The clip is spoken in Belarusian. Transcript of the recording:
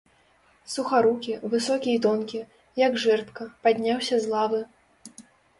Сухарукі, высокі і тонкі, як жэрдка, падняўся з лавы.